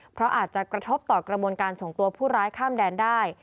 เพราะอาจจะกระทบต่อกระบวนการส่งตัวผู้ร้ายข้ามแดนได้